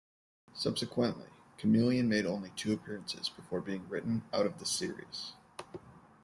Subsequently, Kamelion made only two appearances before being written out of the series.